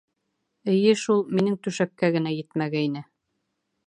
— Эйе шул, минең түшәккә генә етмәгәйне.